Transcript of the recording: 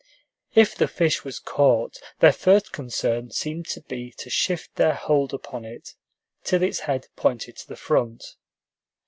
If the fish was caught, their first concern seemed to be to shift their hold upon it, till its head pointed to the front.